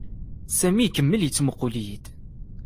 Sami ikemmel yettmuqqul-iyi-d.